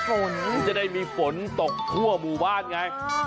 ฝนจะได้มีฝนตกทั่วหมู่บ้านไง